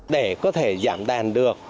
để có thể giảm đàn được